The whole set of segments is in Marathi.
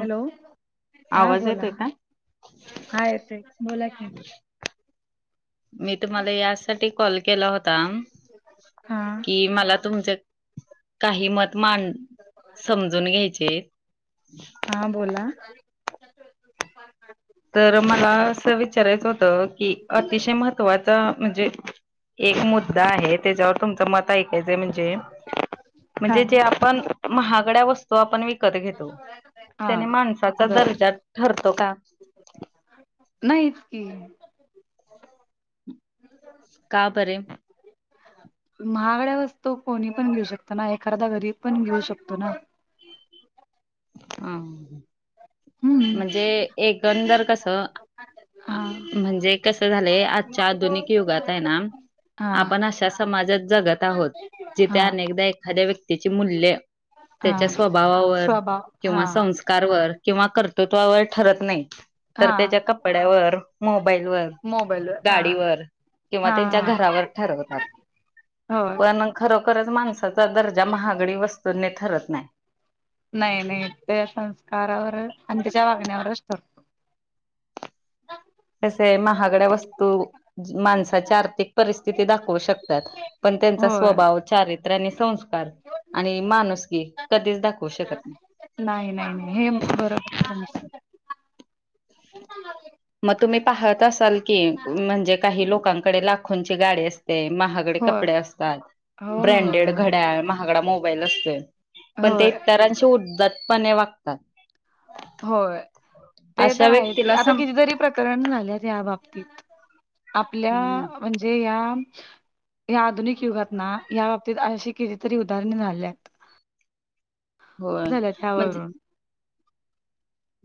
हॅलो हा आवाज बोला येतोय का? हा येतय बोला कि मी तुम्हाला यासाठी कॉल केला होता हा कि मला तुमच काही मत मांड समजून घ्यायचेय. हा बोला तर मला असं विचारायचं होतं की अतिशय महत्त्वाचा म्हणजे एक मुद्दा आहे त्याच्यावर तुमचं मत ऐकवते म्हणजे हा म्हणजे जे आपण महागड्या वस्तू आपण विकत घेतो हा त्याने माणसाचा बर दर्जा ठरतो का? नाहीच की का बरे महागड्या वस्तू कोणी पण घेऊ शकतो ना एखादा गरीब पण घेऊ शकतो ना हा हम्म म्हणजे एकंदर कस हा म्हणजे कसं झालंय आजच्या आधुनिक युगात आहे ना हा आपण अशा समाजात जगत आहोत जिथे हा अनेकदा एखाद्या व्यक्तीची मूल्य हा त्याच्या स्वभावावर स्वभाव हा किंवा संस्कारवर किंवा कर्तृत्वावर ठरत नाही. हा तर त्याच्या कपड्यावर, मोबाईलवर, मोबाईलवर हा गाडीवर किंवा हा त्यांच्या घरावर ठरवतात. होय. पण खरोखरच माणसाचा दर्जा महागडी वस्तूंनी ठरत नाय. नाही नाही त्या संस्कारावर आणि तिच्या वागण्यावरच ठरतं. कसय महागड्या वस्तू माणसाच्या आर्थिक परिस्थिती दाखवू शकतात. पण त्यांचा होय स्वभाव चारित्र्य आणि संस्कार आणि माणुसकी कधीच दाखवू शकत नही नाही नाही नाही हे बरोबर तुमचं. मग तुम्ही पाहत असाल की म्हणजे काही लोकांकडे लाखोंची गाडी असते महाग गडे होय कपडे असतात होय ब्रँडेड होय घड्याळ, महागडा मोबाईल असतोय, पण ते होय इतरांशी उद्दात पणे वागतात होय ते अशा तर आहेत व्यक्तीला आता सम कितीतरी प्रकरण झालेत ह्या बाबतीत आपल्या हम्म म्हणजे ह्या ह्या आधुनिक युगात ना ह्या बाबतीत अशी कितीतरी उदाहरणे झाल्यात. होय झाल्यात म्हणजे यावरून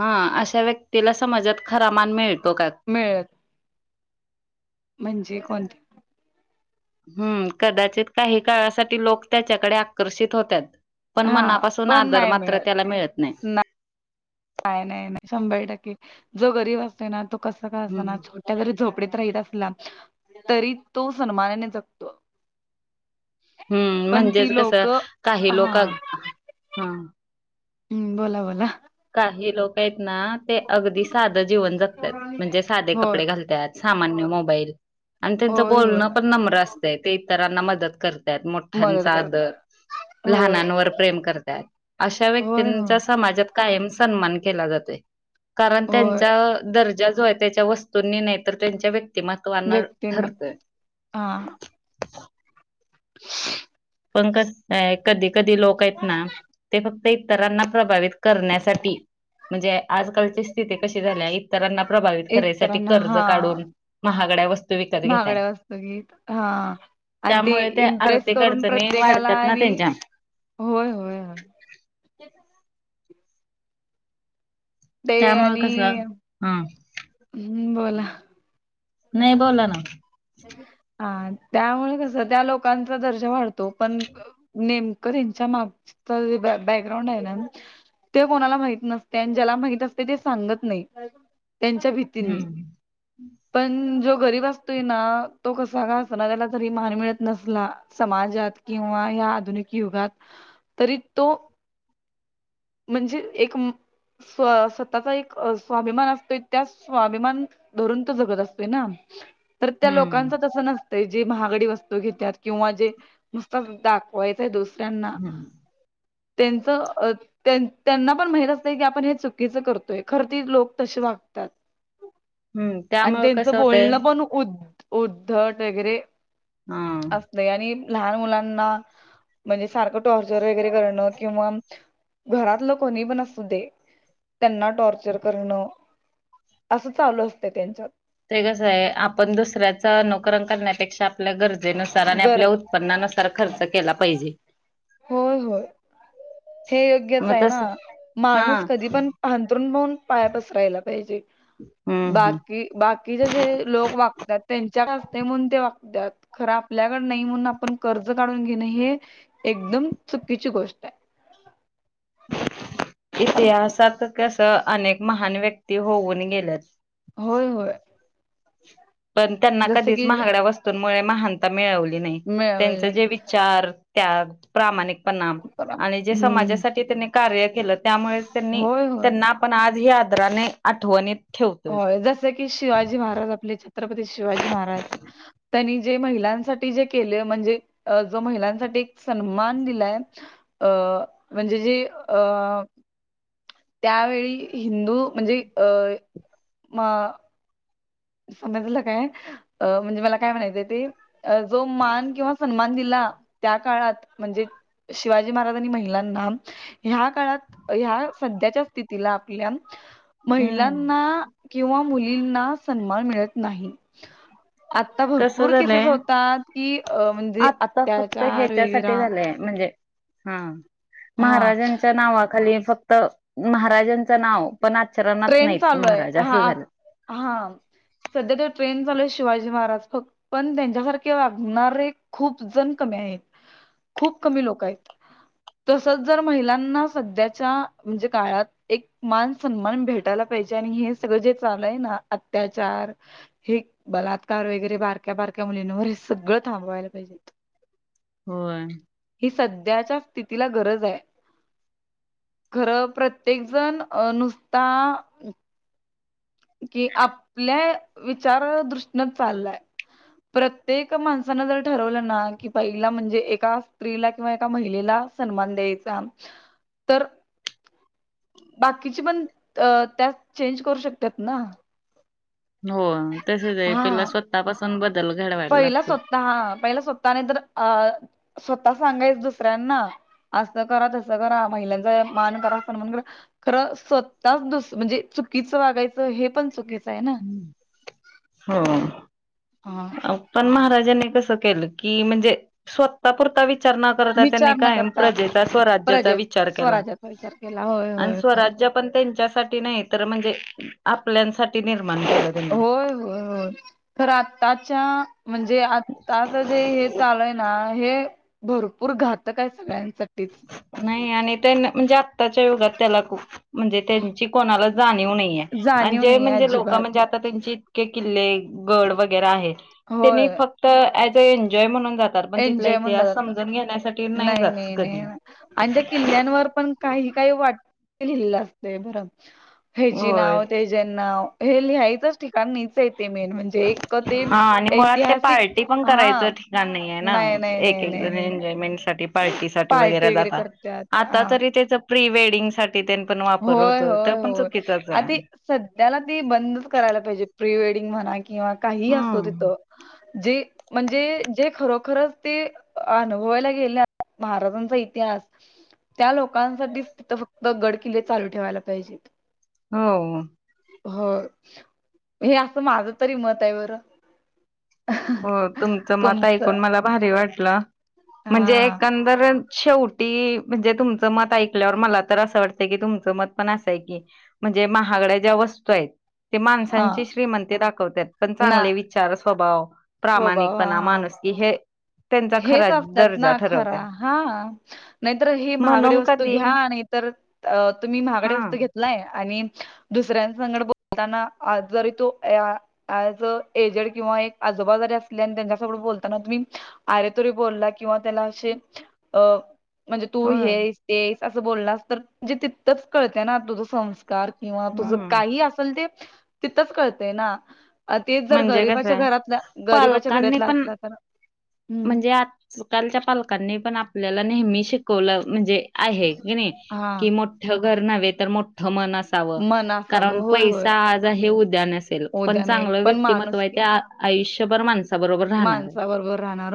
हा अशा व्यक्तीला समाजात खरा मान मिळतो का? मिळत म्हणजे कोणते? हम्म कदाचित काही काळासाठी लोक त्याच्याकडे आकर्षित होत्यात. पण हा मनापासून पण आदर नाही मात्र मिळत त्याला मिळत नाही. काय नाही नाही शंभर टक्के जो गरीब असतोय ना तो कसा का असंना हम्म छोट जरी झोपडीत राहित असला तरी तो सन्मानाने जगतो. हम्म पण ती म्हणजेच कसं लोक काही हा लोक हम हम्म बोला बोला. काही लोक आहेत ना ते अगदी साधं जीवन जगत्यात म्हणजे साधे होय कपडे घालत्यात सामान्य मोबाईल आणि त्यांचं होय होय बोलणं पण नम्र असतंय ते इतरांना मदत करत्यात मदत मोठ्यांचा आदर करतात होय लहानांवर प्रेम करतात, अशा होय होय. व्यक्तींचा समाजात कायम सन्मान केला जातोय कारण होय त्यांचा दर्जा जो आहे त्याच्या वस्तूंनी नाही तर त्यांच्या व्यक्ती तीमत्वावर व्यक्तींम ठरतोय. हा पण कसं आहे कधी कधी लोक आहेत ना ते फक्त इतरांना प्रभावित करण्यासाठी म्हणजे आजकालचे [unintelligible] कशा झाल्या इतरांना प्रभावित करण्यासाठी इतरांना कर्ज हा काढून महागड्या वस्तू विकत घेत्या त बघ हा आणि ते त्या इम्प्रेस आर्थिक करून अडचणी प्रत्येकाला वाढतात ना आणि त्यांच्या होय होय होय. ते त्यामुळे आणि कसं हा हम् बोला. नाही बोला ना. हा त्यामुळे कस त्या लोकांचा दर्जा वाढतो पण नेमकं त्यांच्या मागचं जे बॅकग्राउंड आहे ना ते कोणाला माहित नसतय आणि ज्याला माहित असतय ते सांगत नाही त्यांच्या भीत तिनी हम्म पण जो गरीब असतोय ना तो कसा का असंना, त्याला जरी मान मिळत नसला समाजात किंवा या आधुनिक युगात तरी तो म्हणजे एक स्व स्वतःचा एक स्वाभिमान असतोय त्या स्वाभिमान धरून तो जगत असतोय ना तर त्या हम्म लोकांच तसं नसतं जे महागडी वस्तू घेतात किंवा जे नुसता दाख वायचंय दुसऱ्यांना हम्म त्यांचं त्यांना पण माहित असतंय की आपण हे चुकीचं करतोय खर ती लोक तसे वागतात हम्म त्यामुळ कस होतय उद् उद्धट वगैरे हा. नही आणि लहान मुलांना म्हणजे सारखं टॉर्चर वगैरे करणं किंवा घरातलं कोणी पण असू दे. त्यांना टॉर्चर करणं असं चालू असतय त्यांच्यात. ते कसं आहे आपण दुसऱ्याचा अनुकरण करण्यापेक्षा आपल्या गरजेनुसार आणि गर आपल्या ऊत उत्पन्नानुसार खर्च केला पाहिजे. होय होय हे योग्यच मग आहे ना तस हा माणूस कधी पण अंथरून पाहून पाय पसरायला पाहिजे हम्म हम्म बाकी बाकीचे जे लोक वागतात त्यांच्या असते म्हून ते वागतात खरं आपल्याकड नाही म्हणून आपण कर्ज काढून घेणं हे एकदम चुकीची गोष्ट आहे इतिहासात कस अनेक महान व्यक्ती होऊन गेल्यात. होय होय. पण त्यांना जसं कधीच की महागड्या वस्तूंमुळे महानता मिळवली नाही मिळवल त्यांच नाही जे विचार त्या प्रामाणिक पणाम आणि जे हम्म समाजासाठी त्यांनी कार्य केलं त्यामुळे त्यांनी होय होय त्यांना आपण आजही आदराने आठवणी हो जस की शिवाजी महाराज आपले छत्रपती शिवाजी महाराज. त्यांनी जे महिलांसाठी जे केले म्हणजे अ जो महिलांसाठी एक सन्मान दिलाय. अ म्हणजे जी अ त्यावेळी हिंदू म्हणजे अ म समजलं काय अ म्हणजे मला काय म्हणाती ते अ जो मान किंवा सन्मान दिला त्या काळात म्हणजे शिवाजी महाराजनी महिलांना. ह्या काळात ह्या सध्याच्या स्थितीला आपल्या हम्म महिलांना किंवा मुलींना सन्मान मिळत नाही. आता कसं भरपूर केसेस झालंय होतात कि अ म्हणजे आत्ता फक्त अत्याचार ह्याच्यासाठी वगैरा झालंय म्हणजे हा हा महाराजांच्या नावाखाली फक्त महाराजांचं नाव पण आचरणात ट्रेंड नाहीत चालू आहे महाराज हा असं आ- झालं. हा सध्या तर ट्रेन चालू आहे शिवाजी महाराज फक्त पण त्यांच्यासारखे वागणारे खूप जण कमी आहेत. खूप कमी लोक आहेत. तसच जर महिलांना सध्याच्या म्हणजे काळात एक मान सन्मान भेटायला पाहिजे आणि हे सगळं जे चालय ना अत्याचार हे बलात्कार वगैरे बारक्या बारक्या मुलींवर हे सगळं थांबवायला पाहिजे. होय. ही सध्याच्या स्थितीला गरज आहे. खरं प्रत्येक जण अ नुसता कि आपल्या विचार दृष्टीनत चाललाय. प्रत्येक माणसानं जर ठरवलं ना की पहिला म्हणजे एका स्त्रीला किंवा एका महिलेला सन्मान द्यायचा तर बाकीची पण त्यात चेंज करू शकतात ना. हो तसच आहे पहिला हां. स्वतःपासून बदल घडवायला पहिला लागतो. स्वतः हा पहिला स्वतःने तर अ स्वतः सांगायच दुसऱ्यांना. असं करा तसं करा महिलांचा मान करा अस मण करा खरं स्वतःच दुस म्हणजे चुकीचं वागायचं हे पण चुकीचं आहे ना. हा. ह. पण महाराजांनी कस केलं की म्हणजे स्वतः पुरता विचार न कायम करता प्रजेचा स्वराज्याचा प्रजे विचार केला स्वराज्याचा विचार केला होय आणि होय स्वराज्य पण त्यांच्यासाठी नाही तर म्हणजे आपल्यासाठी निर्माण केला होय-होय, तर आत्ताच्या म्हणजे आताच जे हे चालूय ना, हे भरपूर घातक आहे सगळ्यांसाठी. नाही आणि त्यां म्हणजे आत्ताच्या युगात त्याला खूप म्हणजे त्यांची कोणाला जाणीव नाहीय, आणि जाणीव जे नाही म्हणजे लोक अजिबात म्हणजे आता त्यांचे इतके किल्ले, गड वगैरे आहेत, त्यांनी होय फक्त. तर ज अ एनजीओय म्हणून जातात पण तिथला एन्जॉय म्हण इतिहास जातात समजून घेण्यासाठी नाही जात. कधी. आणि त्या किल्ल्यांवर पण काही काही वाट किल्लं असतय बरं हेजी होय. नाव तेजन नाव हे लिहायचच ठिकाणीच आहे ते मेन म्हणजे एक ते हा आणि मुळात ते ऐतिहासिक पार्टी पण हा करायचं नाही आहे ना नाही नाही एक नाही एक नाही जण नाही एन्जॉयमेंट साठी पार्टी पार्टी वगैरे करत्यात आता हा तरी त्याच प्री-वेडिंग साठी. पण वापर होय होतो, तर होय पण होय चुकीचाच आ आहे. ते सध्याला ती बंदच करायला पाहिजे, प्री वेडिंग म्हणा किंवा काही असतो हम्म. तिथं. जे. म्हणजे जे खरोखरच ते अनुभवायला गेल्यात महाराजांचा इतिहास त्या लोकांसाठी तिथं फक्त गड किल्ले चालू ठेवायला पाहिजेत. हो. हो, हे असं माझ तरी मत आहे बरं. हो तुमचं मत ऐकून मला भारी वाटलं, म्हणजे हा एका तर शेवटी म्हणजे तुमचं मत ऐकल्यावर मला तर असं वाटतं की, तुमचं मत पण असाय की. म्हणजे महागड्या ज्या वस्तू आहेत. ते हा माणसांची श्रीमंती दाखवतात, पण ना चांगले विचार स्वभाव स्वभाव हा प्रामाणिकपणा, हा माणुसकी की है. हेच असत्यात ना खर, हा. नाहीतर ही महागडे म्हणून वस्तू कधी घ्या, नाहीतर तुम्ही महागडे हा वस्तू घेत नाहीय आणि, दुसऱ्यांसंगट बोलताना, जरी तो आ जर एजेड किंवा एक आजोबा जारी असले, आणि त्यांच्यासोर बोलताना तुम्ही अरे तुरे बोलला, किंवा त्याला असे, अ म्हणजे तू हे होय हायस. ते हाईस, असं बोलला तर म्हणजे तितथंच कळते ना तुझ संस्कार कार, किंवा तुझ हम्म काही असेल ते, तिथच कळतय ना. अ तेच जर म्हणजे कसं गरीबाच्या आहे घरातल्या, गरीबाच्या पालकांनी घरातला पण असला तर हम्म म्हणजे आजकालच्या पालकांनी पण आपल्याला नेहमी शिकवलं म्हणजे आहे, की नाही हा कि मोठं घर नव्हे तर, मोठं मन अस मन असावं कारण होय होय पैसा आज आहे उद्या नसेल, पण उद्या नाही चांगलं पण व्यक्तिमत्व माणूस आहे ते आज आयुष्यभर माणसाबरोबर राहणार आहे. राहाणार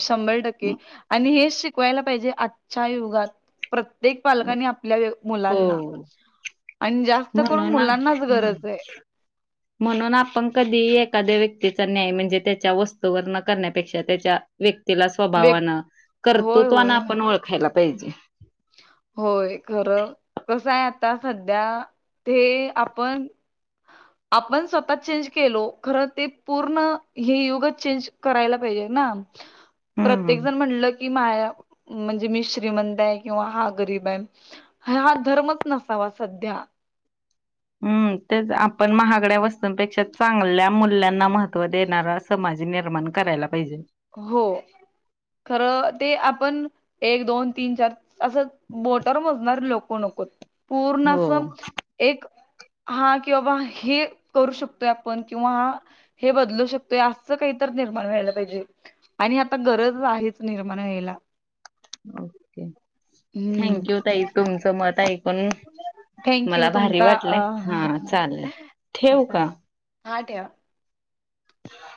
शंभर टक्के, म- आणि हे शिकवायला पाहिजे युगात प्रत्येक पालकांनी आपल्या ये मुलांना हो आणि जास्त करून म्हणून ना मुलांनाच गरज आहे. म्हणून आपण कधी एखाद्या व्यक्तीचा न्याय म्हणजे, त्याच्या वस्तूवर न करण्यापेक्षा त्याच्या व्यक्तीला व स्वभावानं होय कर्तृत्वान होय आपण ओळखायला पाहिजे. होय, खरं कसं आहे आता सध्या ते आपण [inaudible] आपण स्वतः चेन्ज केलो, खरं ते पूर्ण हे युगच चेन्ज करायला पाहिजे ना. हम्म. प्रत्येक जण म्हटलं की, माया म्हणजे मी श्रीमंत आहे. किंवा हा गरीब आहे हा, धर्मच नसावा सध्या. हम्म, तेच आपण महागड्या वस्तूंपेक्षा चांगल्या मूल्यांना महत्त्व देणार असा समाज निर्माण करायला पाहिजे. हो, खरं ते आपण एक, दोन, तीन, चार असं बोटावर मोजणार लोक नकोत. पूर्ण हो. असं एक हा कि बाबा हे करू शकतोय, आपण किंवा हा हे बदलू शकतोय, असं काही तर निर्माण व्हायला पाहिजे. आणि आता गरज आहेच निर्माण या्यायला ओके हम्म थँक यू ताई तुमचं मत आहेऐ पण थँंक यू मला भारी तुमचा अ वाटलंय हा चालेल ठेव का हा ठेवा. हा.